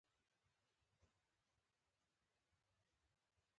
ما ورته وویل: هر څه چې شته قبول مو دي.